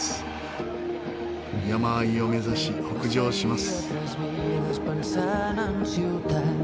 山あいを目指し北上します。